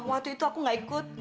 waktu itu aku gak ikut